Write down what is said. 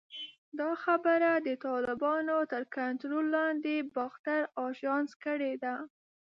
دا خبره د طالبانو تر کنټرول لاندې باختر اژانس کړې ده